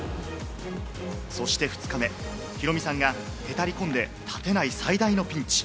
そして２日目、ヒロミさんがへたり込んで立てない最大のピンチ。